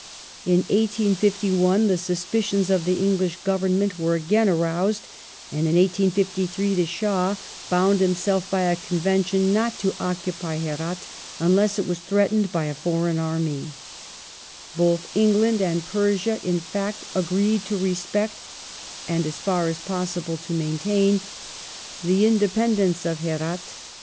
In 1851 the suspicions of the English Government were again aroused, and in 1853 the Shah bound himself by a Convention not to occupy Herat unless it was threatened by a foreign army, lioth England and Persia, in fact, agreed to respect, and as far as possible to maintain, the independence of Herdt.